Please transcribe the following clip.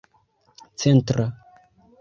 centra